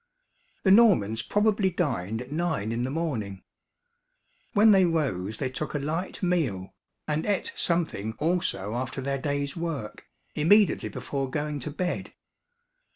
The Normans probably dined at nine in the morning. When they rose they took a light meal; and ate something also after their day's work, immediately before going to bed.